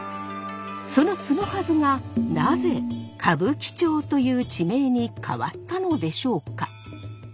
その角筈がなぜ歌舞伎町という地名に変わったのでしょうか？